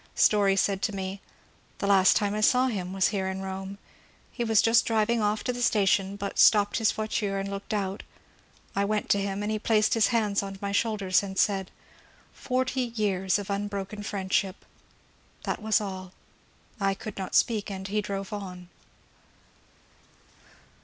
Story said to me, " The last time I saw him was here in Bome ; he was just driving off to the station but stopped his voiture and looked out ; I went to him and he placed his hands on my shoulders and said, ^ Forty years of imbroken friendship !' That was all. I oould not speak, and he drove on.''